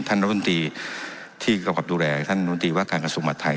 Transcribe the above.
ท่านรุ่นตรีที่เข้ากับดูแลท่านรุ่นตรีวักการกระทรุกหมัดไทย